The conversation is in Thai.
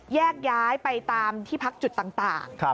แยกย้ายไปตามที่พักจุดต่าง